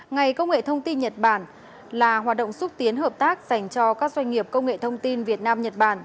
ngày công nghệ thông tin nhật bản là hoạt động xúc tiến hợp tác dành cho các doanh nghiệp công nghệ thông tin việt nam nhật bản